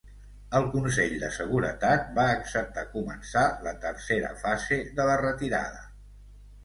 El Consell de Seguretat va acceptar començar la tercera fase de la retirada.